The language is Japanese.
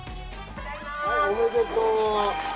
おめでとー。